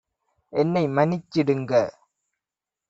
என்னை மன்னிச்சிடுங்க!